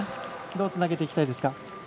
どうつなげていきたいですか？